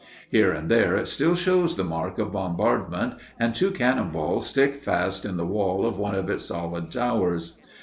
Here and there it still shows the mark of bombardment, and two cannon balls stick fast in the wall of one of its solid towers.